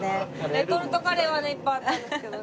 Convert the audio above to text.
レトルトカレーはねいっぱいあったんですけどね。